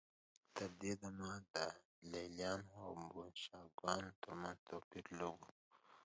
تر دې دمه د لېلیانو او بوشنګانو ترمنځ توپیر لږ و